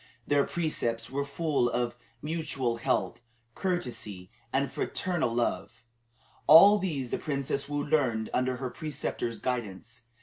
Their precepts were full of mutual help, courtesy, and fraternal love. All these the Princess Woo learned under her preceptor's guidance.